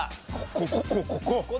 ここここここ！